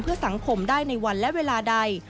เพื่อสังคมได้ในวันและเวลาใด